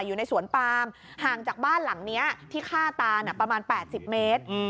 อยู่ในสวนปามห่างจากบ้านหลังนี้ที่ฆ่าตาประมาณ๘๐เมตร